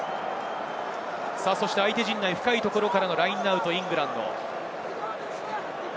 相手陣内深いところからのラインアウト、イングランドです。